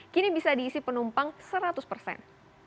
kini bisa diisi penumpang seratus persen